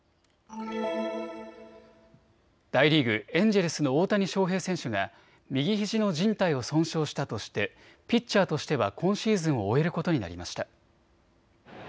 大リーグ、エンジェルスの大谷翔平選手が右ひじのじん帯を損傷したとしてピッチャーとしては今シーズンを終えることになりました。